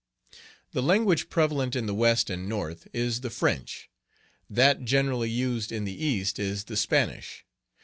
The language prevalent in the west and north is the French; that generally used in the east is the Spanish.